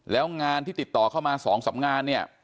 แล้วงานที่ติดต่อเข้ามา๒๓งานเนี่ย